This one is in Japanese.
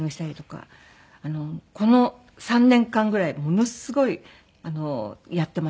この３年間ぐらいものすごいやってます。